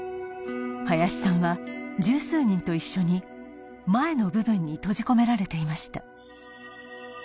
林さんは十数人と一緒に前の部分に閉じ込められていました